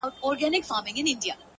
o ما په سهار لس رکاته کړي وي،